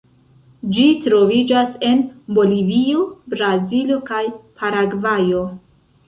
Ĝi troviĝas en Bolivio, Brazilo kaj Paragvajo.